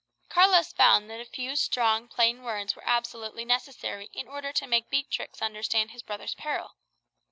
Carlos found that a few strong, plain words were absolutely necessary in order to make Beatrix understand his brother's peril.